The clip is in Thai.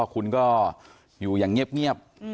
คุณก็อยู่อย่างเงียบ